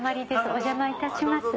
お邪魔いたします。